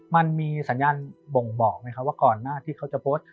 มันมีสัญญาณบ่งบอกไหมครับว่าก่อนหน้าที่เขาจะโพสต์